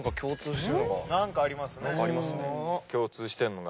共通してるのが。